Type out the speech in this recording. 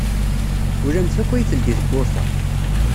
Ulamek akk ay teldi tewwurt-a.